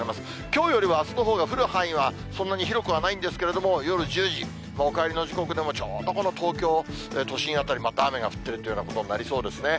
きょうよりはあすのほうが降る範囲はそんなに広くはないんですけれども、夜１０時、お帰りの時刻でもちょうどこの東京都心辺り、また雨が降っているということになりそうですね。